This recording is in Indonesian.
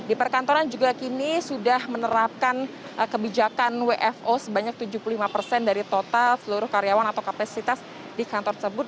di perkantoran juga kini sudah menerapkan kebijakan wfo sebanyak tujuh puluh lima persen dari total seluruh karyawan atau kapasitas di kantor tersebut